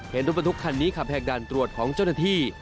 รถบรรทุกคันนี้ขับแหกด่านตรวจของเจ้าหน้าที่